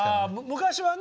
昔はね